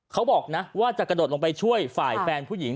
เขาบอกนะว่าจะกระโดดลงไปช่วยฝ่ายแฟนผู้หญิง